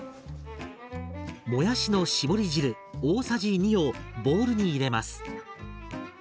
もやしの絞り汁大さじ２をボウルに入れます。